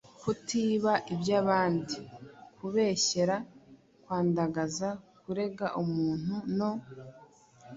Kutiba iby’abandi, kubeshyera, kwandagaza, kurega umuntu, no